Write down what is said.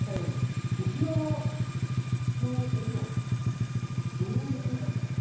こちらはこれおとうさんどういう。